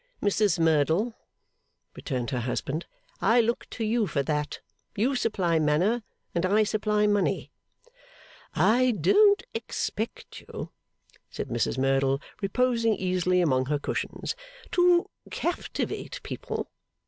'Mrs Merdle,' returned her husband, 'I look to you for that. You supply manner, and I supply money.' 'I don't expect you,' said Mrs Merdle, reposing easily among her cushions, 'to captivate people.